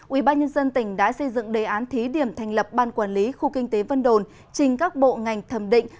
ubnd tỉnh đã xây dựng đề án thí điểm thành lập ban quản lý khu kinh tế vân đồn trình các bộ ngành thẩm định